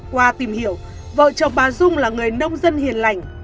qua tìm hiểu vợ chồng bà dung là người nông dân hiền lành